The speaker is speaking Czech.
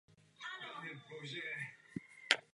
Oblast je bohatá na fosilie.